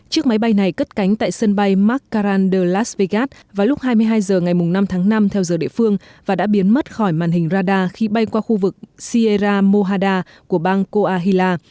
chiếc máy bay này cất cánh tại sân bay markkarand the las vegas vào lúc hai mươi hai h ngày năm tháng năm theo giờ địa phương và đã biến mất khỏi màn hình radar khi bay qua khu vực sierra mohada của bang coahila